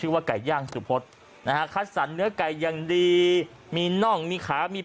ว่าไก่ย่างสุพศนะฮะคัดสรรเนื้อไก่อย่างดีมีน่องมีขามี